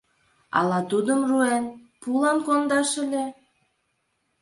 — Ала тудым, руэн, пулан кондаш ыле?